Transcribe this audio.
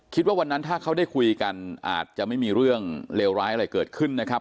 วันนั้นถ้าเขาได้คุยกันอาจจะไม่มีเรื่องเลวร้ายอะไรเกิดขึ้นนะครับ